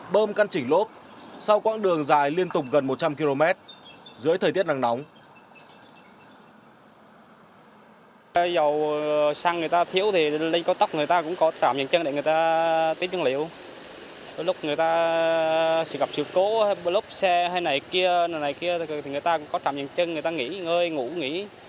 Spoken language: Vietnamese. bơm căn chỉnh lốp sau quãng đường dài liên tục gần một trăm linh km dưới thời tiết nắng nóng